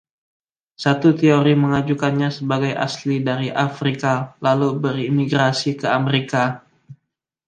Satu teori mengajukannya sebagai asli dari Afrika, lalu bermigrasi ke Amerika.